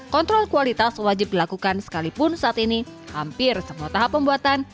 kontrol kualitas wajib dilakukan sekalipun saat ini hampir semua tahap pembuatan